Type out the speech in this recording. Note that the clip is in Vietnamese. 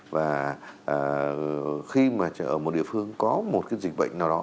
và khi mà ở một địa phương có một cái dịch bệnh nào đó